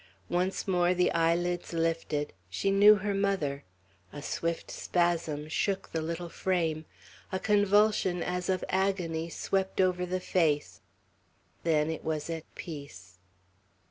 Once more the eyelids lifted; she knew her mother; a swift spasm shook the little frame; a convulsion as of agony swept over the face, then it was at peace.